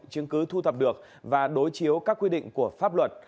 chứng cứ thu thập được và đối chiếu các quy định của pháp luật